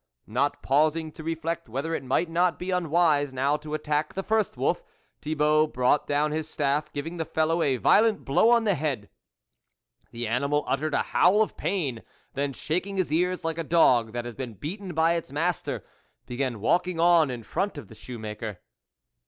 Not pausing to reflect whether it might not be unwise now to attack the first wolf, Thibault brought down his staff, giving the fellow a violent blow on the head, The animal uttered a howl of pain, then shaking his ears like a dog that has been beaten by its master, began walking on in front of the shoemaker.